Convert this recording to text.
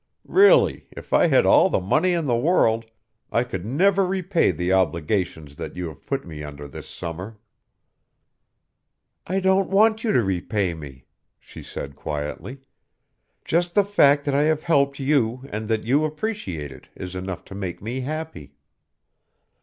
Really, if I had all the money in the world I could never repay the obligations that you have put me under this summer." "I don't want you to repay me," she said quietly. "Just the fact that I have helped you and that you appreciate it is enough to make me happy."